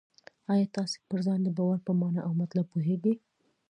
آیا تاسې پر ځان د باور په مانا او مطلب پوهېږئ؟